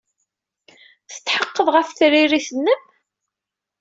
Tetḥeqqeḍ ɣef tririt-nnem?